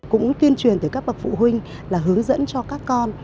cũng tuyên truyền từ các bậc phụ huynh là hướng dẫn cho các con